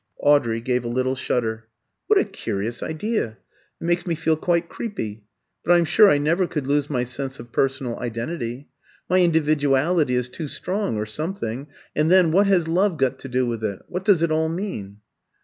Audrey gave a little shudder. "What a curious idea! It makes me feel quite creepy. But I'm sure I never could lose my sense, of personal identity. My individuality is too strong or something. And then, what has Love got to do with it? What does it all mean?"